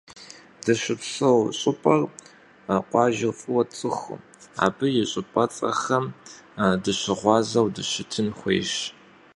Дыщыпсэу щӏыпӏэр, къуажэр фӏыуэ тцӏыхуу, абы и щӏыпӏэцӏэхэм дыщыгъуазэу дыщытын хуейщ.